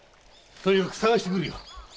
とにかく捜してくるよ。